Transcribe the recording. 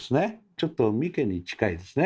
ちょっと三毛に近いですね。